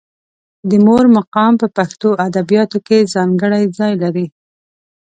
د مور مقام په پښتو ادبیاتو کې ځانګړی ځای لري.